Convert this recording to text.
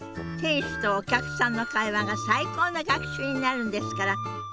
店主とお客さんの会話が最高の学習になるんですから。